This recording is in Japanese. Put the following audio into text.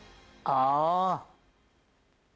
ああ。